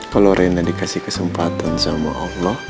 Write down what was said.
kalau rena dikasih kesempatan sama allah